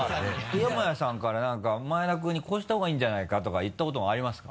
山谷さんから何か前田君にこうした方がいいんじゃないかとか言ったことありますか？